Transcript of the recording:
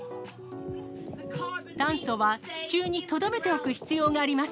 炭素は地中にとどめておく必要があります。